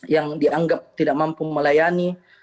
yang dianggap tidak mampu melayani